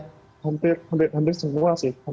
ya hampir semua sih